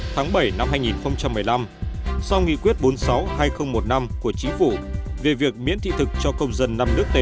tháng bảy năm hai nghìn một mươi năm sau nghị quyết bốn mươi sáu hai nghìn một mươi năm của chính phủ về việc miễn thị thực cho công dân năm nước tây